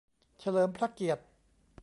'เฉลิมพระเกียรติ'